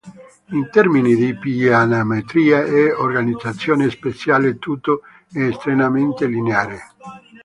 In termini di planimetria e organizzazione spaziale tutto è estremamente lineare.